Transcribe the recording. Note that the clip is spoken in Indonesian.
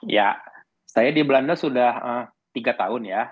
ya saya di belanda sudah tiga tahun ya